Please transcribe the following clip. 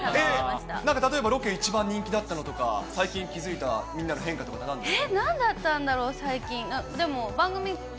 なんか例えばロケ一番人気だったのとか、最近気付いたみんなの変化とか、なんですか。